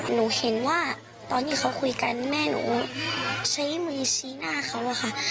หนูเห็นว่าตอนที่เขาคุยกันแม่หนูใช้มือชี้หน้าเขาอะค่ะ